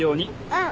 うん。